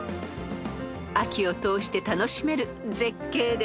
［秋を通して楽しめる絶景です］